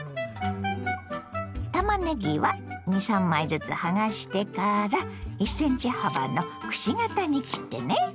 たまねぎは２３枚ずつ剥がしてから１ｃｍ幅のくし形に切ってね。